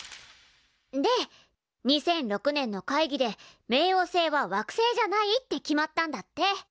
で２００６年の会議で冥王星は惑星じゃないって決まったんだって。